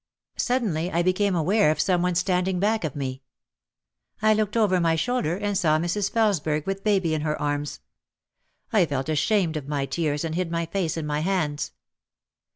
Suddenly I became aware of some one standing back of me. I looked over my shoulder and saw Mrs. Feles berg with baby in her arms. I felt ashamed of my tears and hid my face in my hands.